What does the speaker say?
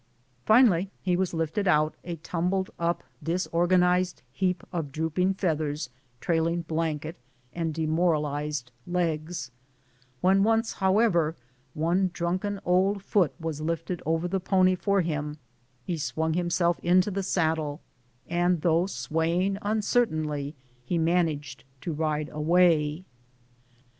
Finally he was lifted out, a tumbled up, disorganized heap of drooping feathers, trailing blanket, and demor alized legs. When once, however, one drunken old foot was lifted over the pony for him, he swung himself into ADVENTURES— THE LAST DAYS OF THE MARCH. 85 the saddle, and tlioiigh swaying uncertainly, he man aged to ride away.